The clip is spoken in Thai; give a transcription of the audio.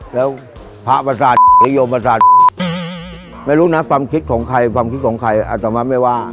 ความคิดของใครอาจจะมาไม่ว่า